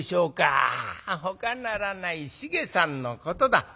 「あほかならない繁さんのことだ。